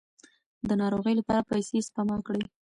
د ناروغۍ لپاره پیسې سپما کړئ.